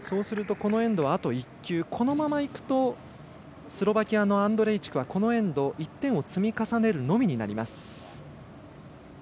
このエンドはあと１球このままいくとスロバキアのアンドレイチクはこのエンド１点を積み重ねるのみ。